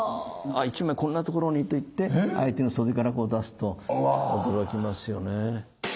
「１枚こんなところに」と言って相手の袖から出すと驚きますよね。